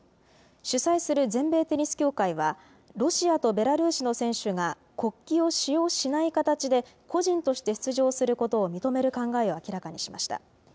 主催する全米テニス協会は、ロシアとベラルーシの選手が、国旗を使用しない形で個人として出場することを認める考えを明らかにしました。